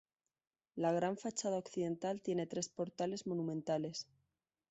La gran fachada occidental tiene tres portales monumentales.